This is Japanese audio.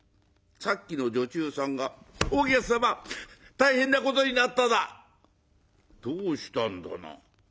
さっきの女中さんが「お客様大変なことになっただ！」。「どうしたんだな？